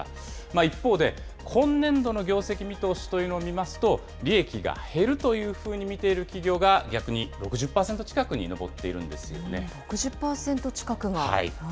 一方で、今年度の業績見通しというのを見ますと、利益が減るというふうに見ている企業が逆に６０６０％近くが。